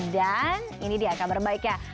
dan ini dia kabar baiknya